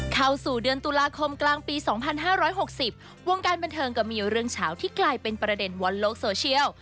เข้าสู่เดือนตุลาคมกลางปี๒๕๖๐วงการบันเทิงก็มีเรื่องเฉาที่กลายเป็นประเด็นวอนโลกโซเชียล